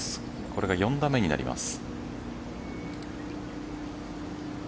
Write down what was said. これが４打目になります。